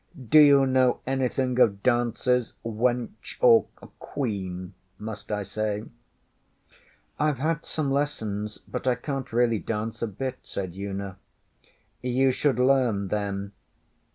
Do you know anything of dances, wench or Queen, must I say? ŌĆÖ ŌĆśIŌĆÖve had some lessons, but I canŌĆÖt really dance a bit, ŌĆÖ said Una. ŌĆśYou should learn, then.